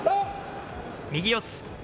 右四つ。